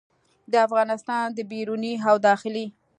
د افغانستان د بیروني او داخلي